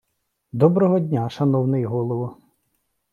Доброго дня, шановний голово!